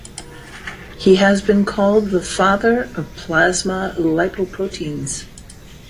He has been called the father of plasma lipoproteins.